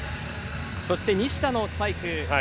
そして、西田のスパイク。